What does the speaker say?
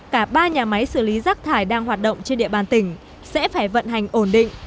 hai nghìn một mươi chín cả ba nhà máy xử lý giác thải đang hoạt động trên địa bàn tỉnh sẽ phải vận hành ổn định